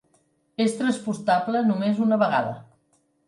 És transportable només una vegada.